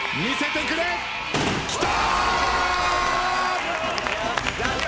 きた！